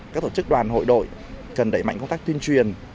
các tổ chức đoàn hội đội cần đẩy mạnh công tác tuyên truyền